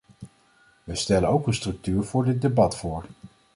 We stellen ook een structuur voor dit debat voor.